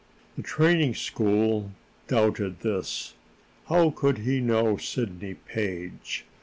The training school doubted this. How could he know Sidney Page?